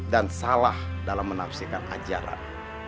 dan salah dalam menafsikan ajaran